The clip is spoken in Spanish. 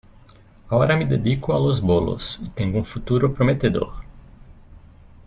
Ahora me dedico a los bolos y tengo un futuro prometedor.